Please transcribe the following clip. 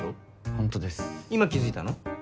ホントです今気づいたの？